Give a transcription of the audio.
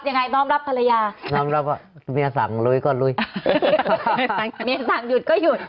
น้องรับภรรยาน้อมรับว่าเมียสั่งลุยก็ลุยสั่งเมียสั่งหยุดก็หยุด